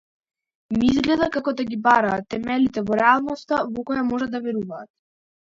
Ми изгледа како да ги бараат темелите во реалноста во која можат да веруваат.